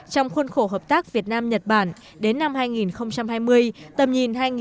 trong khuôn khổ hợp tác việt nam nhật bản